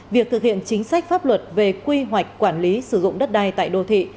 việc thực hiện chính sách pháp luật về quy hoạch quản lý sử dụng đất đai tại đô thị